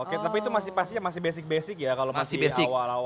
oke tapi itu masih basic basic ya kalau masih awal awal